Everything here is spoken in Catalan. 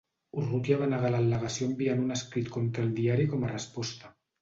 Urrutia va negar l'al·legació enviant un escrit contra el diari com a resposta.